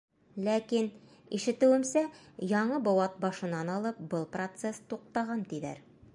Ләкин, ишетеүемсә, яңы быуат башынан алып был процесс туҡтаған, тиҙәр...